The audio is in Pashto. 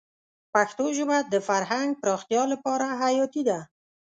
پښتو ژبه د فرهنګ پراختیا لپاره حیاتي ده.